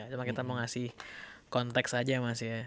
cuma kita mau ngasih konteks saja mas ya